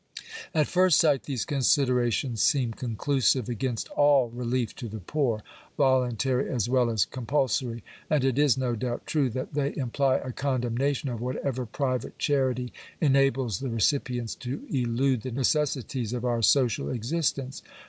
At first sight these considerations seem conclusive against all relief to the poor — voluntary as well as compulsory ; and it is no doubt true that they imply a condemnation of whatever private charity enables the recipients to elude the necessities of our social existence.